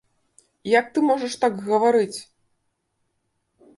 Як ты можаш так гаварыць!